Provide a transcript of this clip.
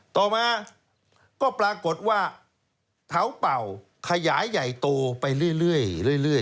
ต่อมาก็ปรากฏว่าเถาเป่าขยายใหญ่โตไปเรื่อย